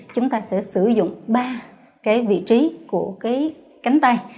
chúng ta sẽ sử dụng ba vị trí của cánh tay